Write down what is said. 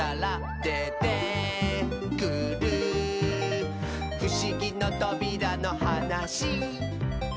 「でてくるふしぎのとびらのはなし」